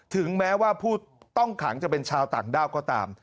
ถึงแม้ว่าผู้ต้องขังจะเป็นชาวต่างด้าวก็ตาม